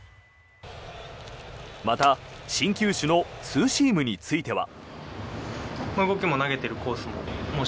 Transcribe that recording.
また、新球種のツーシームについては。